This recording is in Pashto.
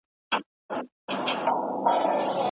هر وګړی باید خپله ونډه واخلي.